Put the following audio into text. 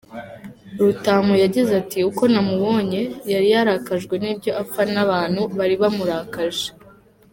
Rutamu yagize ati :"Uko namubonye yari yarakajwe n’ibyo apfa n’abantu bari bamurakaje.